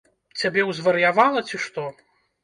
Цябе ўзвар'явала, ці што?